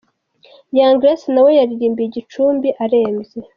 Young Grace nawe yaririmbiye i Gicumbi arembye.